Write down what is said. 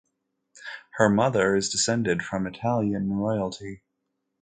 Her mother is descended from Italian royalty.